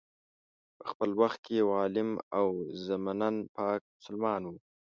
په خپل وخت کي یو عالم او ضمناً پاک مسلمان وو.